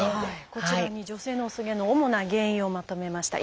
こちらに女性の薄毛の主な原因をまとめました。